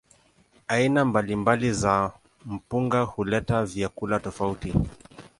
Aina mbalimbali za mpunga huleta vyakula tofauti.